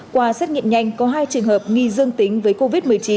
qua xét nghiệm nhanh có hai trường hợp nghi dương tính với covid một mươi chín